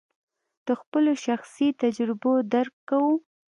د خپلو شخصي تجربو درک کوو.